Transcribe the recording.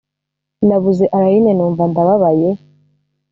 nabuze allaynenumva ndababaye?